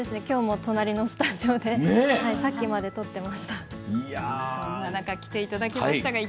きょうも隣のスタジオでさっきまで撮ってました。